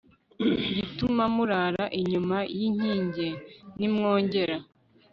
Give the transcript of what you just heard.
gituma murara inyuma y inkike nimwongera